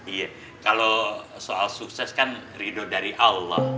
iya kalau soal sukses kan ridho dari allah